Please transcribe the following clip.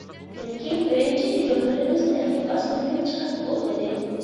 چۈنكى: بىرىنچى، ژۇرنىلىمىز تېخى باسمىدىن چىقىپ بولمىدى.